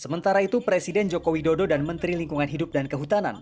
sementara itu presiden joko widodo dan menteri lingkungan hidup dan kehutanan